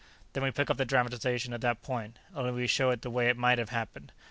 Then we pick up the dramatization at that point, only we show it the way it might have happened.